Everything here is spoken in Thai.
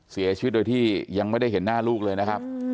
เสียชีวิตโดยที่ยังไม่ได้เห็นหน้าลูกเลยนะครับ